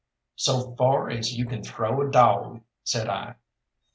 "So far as you can throw a dawg," said I.